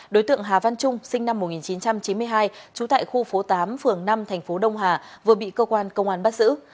đối tượng hà văn trung sinh năm một nghìn chín trăm chín mươi hai trú tại khu phố tám phường năm thành phố đông hà vừa bị cơ quan công an bắt giữ